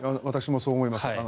私もそう思います。